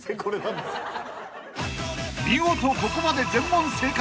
［見事ここまで全問正解］